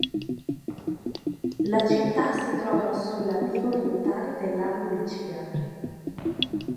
La città si trova sulla riva orientale del Lago Michigan.